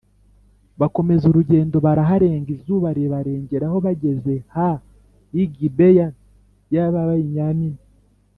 bakomeza urugendo baraharenga izuba ribarengeraho bageze ha y i Gibeya y Ababenyamini